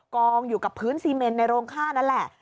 กองอยู่กับพื้นซีเมนในโรงค่านั่นแหละ